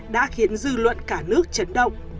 đã khiến dư luận cả nước chấn động